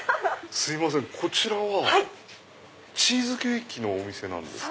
すいませんこちらはチーズケーキのお店なんですか？